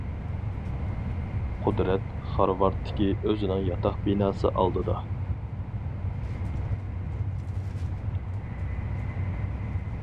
قۇدرەت خارۋاردتىكى ئۆزىنىڭ ياتاق بىناسى ئالدىدا.